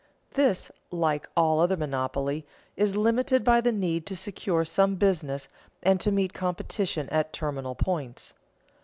This, like all other monopoly, is limited by the need to secure some business and to meet competition at terminal points.